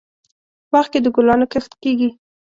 باغ کې دګلانو کښت کیږي